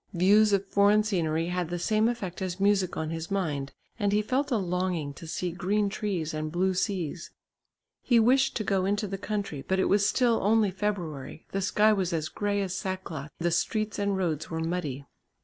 Views of foreign scenery had the same effect as music on his mind and he felt a longing to see green trees and blue seas; he wished to go into the country but it was still only February, the sky was as grey as sack cloth, the streets and roads were muddy.